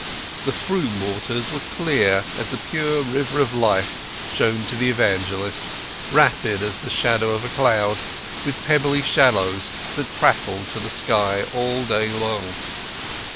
The Froom waters were clear as the pure River of Life shown to the Evangelist, rapid as the shadow of a cloud, with pebbly shallows that prattled to the sky all day long.